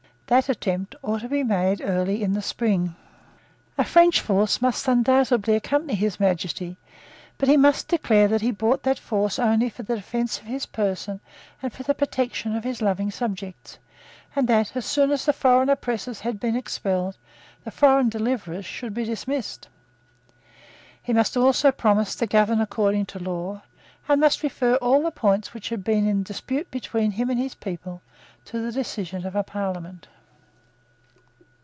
That attempt ought to be made early in the spring. A French force must undoubtedly accompany His Majesty. But he must declare that he brought that force only for the defence of his person and for the protection of his loving subjects, and that, as soon as the foreign oppressors had been expelled, the foreign deliverers should be dismissed. He must also promise to govern according to law, and must refer all the points which had been in dispute between him and his people to the decision of a Parliament.